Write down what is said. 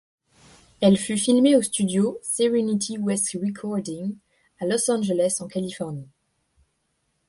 Elle fut filmé au studio: Serenity West Recording à Los Angeles en Californie.